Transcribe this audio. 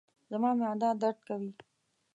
زما معده درد کوي